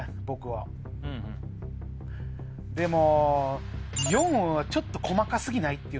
僕はでも４はちょっと細か過ぎない？